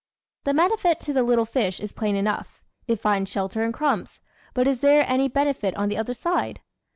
The benefit to the little fish is plain enough it finds shelter and crumbs; but is there any benefit on the other side?